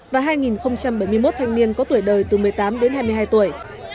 và hai bảy mươi một thanh niên có tuổi đời từ một mươi tám đến hai mươi hai tuổi